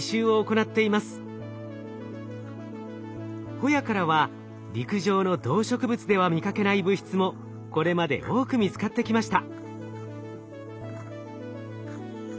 ホヤからは陸上の動植物では見かけない物質もこれまで多く見つかってきました。